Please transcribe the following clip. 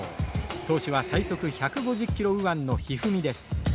投手は最速１５０キロ右腕の一二三です。